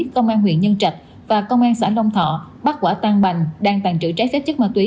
công an huyện nhân trạch và công an xã long thọ bắt quả tang bành đang tàn trữ trái phép chất ma túy